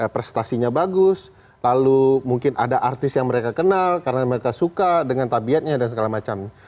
prestasinya bagus lalu mungkin ada artis yang mereka kenal karena mereka suka dengan tabiatnya dan segala macam